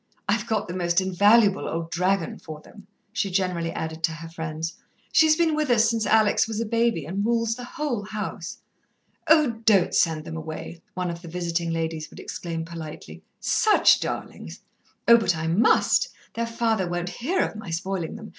I've got the most invaluable old dragon for them," she generally added to her friends. "She's been with us since Alex was a baby, and rules the whole house." "Oh, don't send them away!" one of the visiting ladies would exclaim politely. "Such darlings!" "Oh, but I must! Their father won't hear of my spoilin' them.